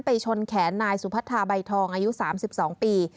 ชนแขนนายสุพัทธาใบทองอายุ๓๒ปี